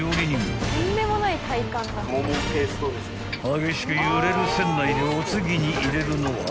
［激しく揺れる船内でお次に入れるのは］